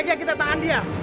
sebaiknya kita tahan dia